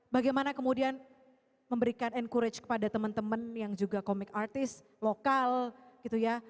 bagaimana kemudian memberikan encourage kepada teman teman yang juga komik artis lokal gitu ya